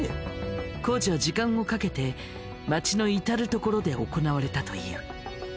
工事は時間をかけて町の至る所で行なわれたという。